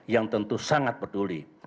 yang tentu sangat peduli